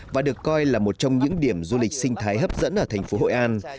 và được coi là một trong những điểm du lịch sinh thái hấp dẫn ở thành phố hội an